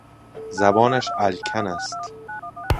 زبانش الکن است.